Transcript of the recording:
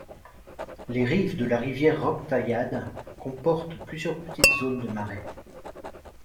Les rives de la rivière Roquetaillade comportent plusieurs petites zones de marais.